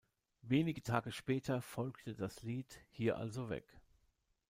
Wenige Tage später folgte das Lied "Hier Also Weg".